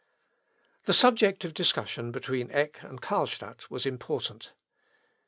] The subject of discussion between Eck and Carlstadt was important.